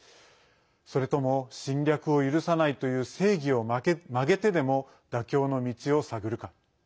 それとも侵略を許さないという正義を曲げてでも妥協の道を探るか。